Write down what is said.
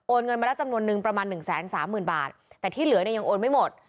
เงินมาแล้วจำนวนนึงประมาณหนึ่งแสนสามหมื่นบาทแต่ที่เหลือเนี่ยยังโอนไม่หมด